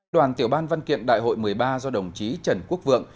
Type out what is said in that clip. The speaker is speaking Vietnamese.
đoàn tiểu ban văn kiện đại hội một mươi ba do đồng chí trần quốc vượng